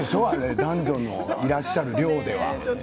男女がいらっしゃる寮で。